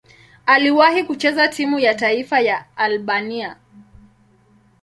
Aliwahi kucheza timu ya taifa ya Albania.